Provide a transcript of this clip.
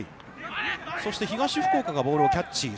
そして、東福岡がボールをキャッチ。